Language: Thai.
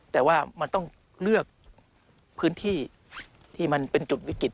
แต่ว่ามันต้องเลือกพื้นที่ที่มันเป็นจุดวิกฤต